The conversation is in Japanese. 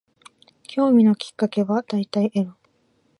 興味のきっかけは大体エロ